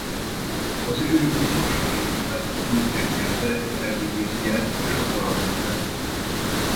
Az ő utolsó évében a klub megnyerte Eredivisiet és a holland kupát.